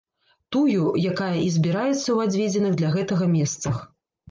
Тую, якая і збіраецца ў адведзеных для гэтага месцах.